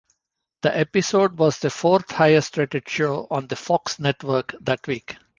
The episode was the fourth highest rated show on the Fox network that week.